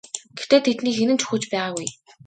Гэхдээ тэдний хэн нь ч үхэж байгаагүй.